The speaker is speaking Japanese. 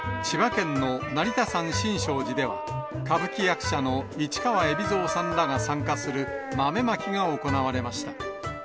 千葉県の成田山新勝寺では、歌舞伎役者の市川海老蔵さんらが参加する豆まきが行われました。